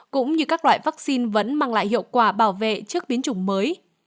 cũng như các loại vaccine vẫn mang lại hiệu quả bảo vệ trước biến chủng mới